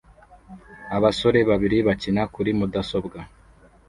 Abasore babiri bakina kuri mudasobwa